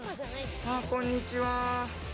こんにちは。